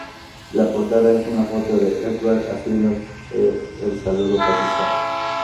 La portada es una foto de Ekberg haciendo el saludo fascista.